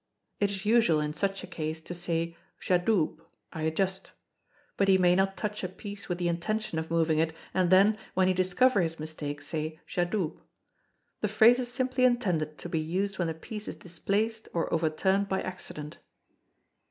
[It is usual, in such a case, to say J'adoube (I adjust); but he may not touch a piece with the intention of moving it, and then, when he discover his mistake, say, J'adoube. The phrase is simply intended to be used when a piece is displaced or overturned by accident.